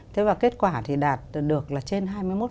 thế và kết quả thì đạt được là trên hai mươi một